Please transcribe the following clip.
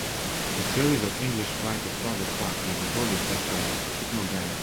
The theories of English writer Fraser Clark may be broadly categorised as technogaian.